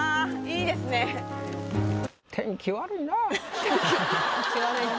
天気悪いな。